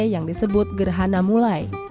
yang disebut gerhana mulai